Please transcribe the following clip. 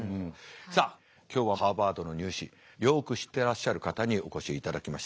さあ今日はハーバードの入試よく知ってらっしゃる方にお越しいただきました。